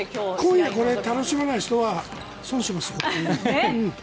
今夜、楽しめない人は損しますよ。